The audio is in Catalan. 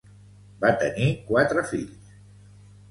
Va tenir quatre fills.